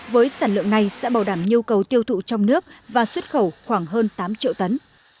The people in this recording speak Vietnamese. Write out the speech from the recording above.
với sản lượng này sẽ bảo đảm nhu cầu tiêu thụ trong nước và xuất khẩu khoảng hơn tám triệu tấn